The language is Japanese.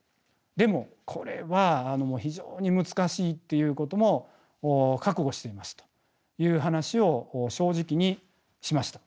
でもこれは非常に難しいっていうことも覚悟していますという話を正直にしました。